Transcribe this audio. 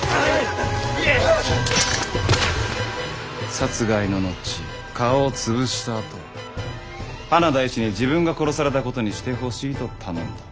殺害の後顔を潰したあと花田医師に自分が殺されたことにしてほしいと頼んだ。